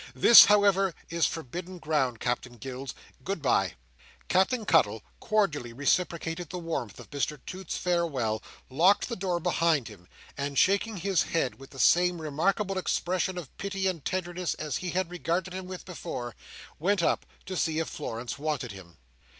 This, however, is forbidden ground. Captain Gills, goodbye!" Captain Cuttle cordially reciprocating the warmth of Mr Toots's farewell, locked the door behind him, and shaking his head with the same remarkable expression of pity and tenderness as he had regarded him with before, went up to see if Florence wanted him.